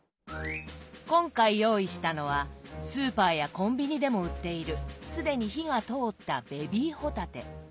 今回用意したのはスーパーやコンビニでも売っている既に火が通ったベビー帆立て。